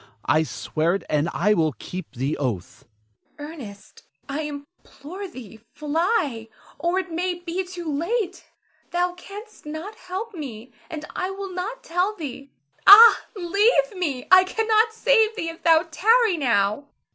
I swear it, and I will keep the oath. Zara. Ernest, I implore thee, fly, or it may be too late. Thou canst not help me, and I will not tell thee. Ah, leave me! I cannot save thee if thou tarry now.